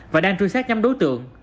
và đang truy sát nhóm đối tượng